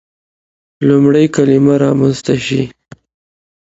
لومړی کلمه رامنځته شي.